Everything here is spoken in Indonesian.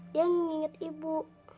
dia nginget ibu